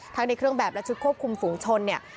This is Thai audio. ในเครื่องแบบและชุดควบคุมฝุงชนเนี่ย